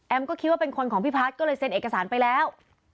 ก็คิดว่าเป็นคนของพี่พัฒน์ก็เลยเซ็นเอกสารไปแล้ว